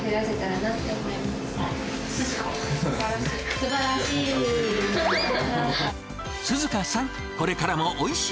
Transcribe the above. すばらしい。